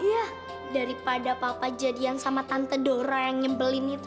iya daripada papa jadian sama tante dora yang nyebelin itu